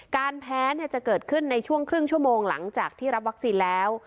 แพ้จะเกิดขึ้นในช่วงครึ่งชั่วโมงหลังจากที่รับวัคซีนแล้ว